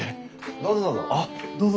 どうぞどうぞ。